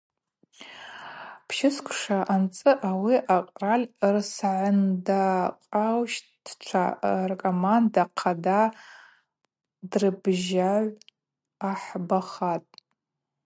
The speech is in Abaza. Пщысквша анцӏы ауи акъраль рсагӏындакъаущтчва ркоманда хъада дырбжьагӏв ахӏбахатӏ.